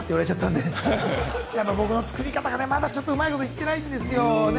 僕の作り方がねまだちょっとうまいこといってないんですよね